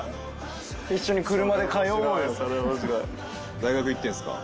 大学いってんすか？